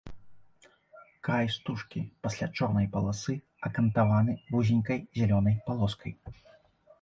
Край стужкі пасля чорнай паласы акантаваны вузенькай зялёнай палоскай.